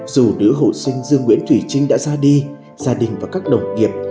dù đứa hội sinh dương nguyễn thủy trinh đã ra đi gia đình và các đồng nghiệp